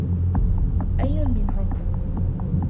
أيّ منهم؟